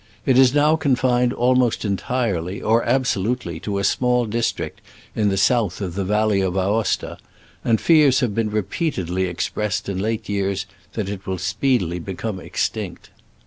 It is now confined almost entirely, or absolutely, to a small district in the south of the valley of Aosta, and fears have been repeatedly expressed in late years that it will speed ily become extinct.